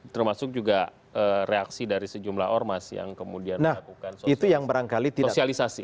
termasuk juga reaksi dari sejumlah ormas yang kemudian melakukan sosialisasi